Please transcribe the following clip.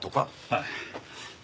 はい。